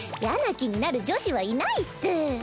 気になる女子はいないっス。